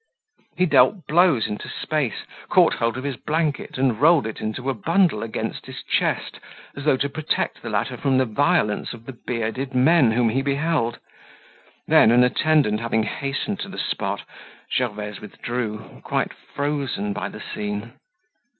He dealt blows into space, caught hold of his blanket and rolled it into a bundle against his chest, as though to protect the latter from the violence of the bearded men whom he beheld. Then, an attendant having hastened to the spot, Gervaise withdrew, quite frozen by the scene.